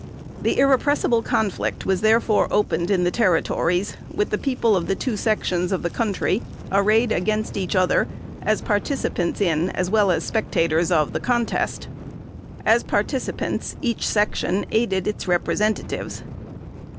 The "irrepressible conflict" was therefore opened in the Territories, with the people of the two sections of the country arrayed against each other as participants in, as well as spectators of, the contest. As participants, each section aided its representatives.